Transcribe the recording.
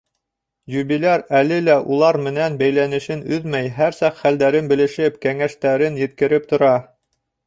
Юбиляр әле лә улар менән бәйләнешен өҙмәй, һәр саҡ хәлдәрен белешеп, кәңәштәрен еткереп тора.